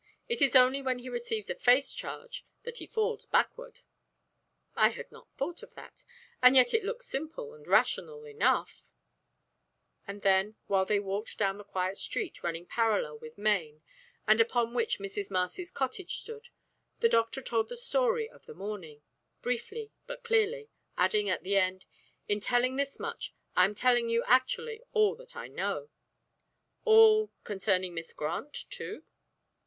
It is only when he receives a face charge that he falls backward." "I had not thought of that, and yet it looks simple and rational enough," and then, while they walked down the quiet street running parallel with Main, and upon which Mrs. Marcy's cottage stood, the doctor told the story of the morning, briefly but clearly, adding, at the end, "In telling this much, I am telling you actually all that I know." "All concerning Miss Grant, too?"